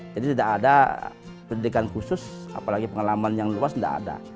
jadi tidak ada pendidikan khusus apalagi pengalaman yang luas tidak ada